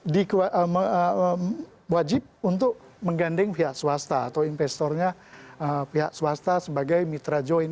dikomunikasikan untuk menggandeng pihak swasta atau investornya pihak swasta sebagai mitrajoin